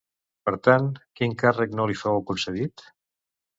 Per tant, quin càrrec no li fou concedit?